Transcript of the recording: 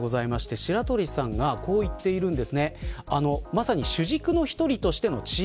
白鳥さんがこう言っているんです。